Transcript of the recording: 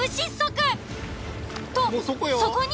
とそこに。